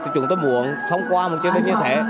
chúng tôi muốn thông qua một triều đình như thế